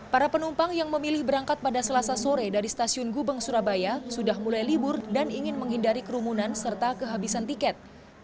para penumpang yang memilih berangkat pada selasa sore dari stasiun gubeng surabaya sudah mulai libur dan ingin menghindari kerumunan serta kehabisan tiket